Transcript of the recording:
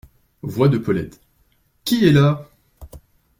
Voix de Paulette. — Qui est là ?